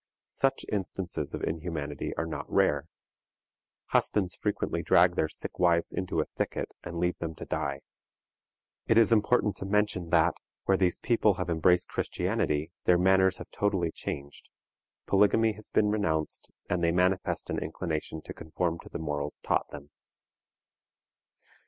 Such instances of inhumanity are not rare. Husbands frequently drag their sick wives into a thicket, and leave them to die. It is important to mention that, where these people have embraced Christianity, their manners have totally changed; polygamy has been renounced, and they manifest an inclination to conform to the morals taught them.